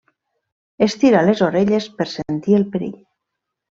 Estira les orelles per sentir el perill.